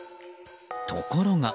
ところが。